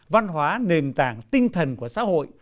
văn hóa nền tảng tinh thần của xã hội